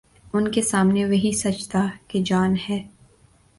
ان کے سامنے وہی سچ تھا کہ جان ہے۔